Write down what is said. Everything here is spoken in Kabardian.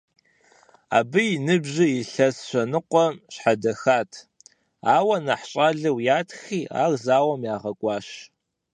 Абы и ныбжьыр илъэс щэ ныкъуэм щхьэдэхат, ауэ нэхъ щӏалэу ятхри, ар зауэм ягъэкӏуащ.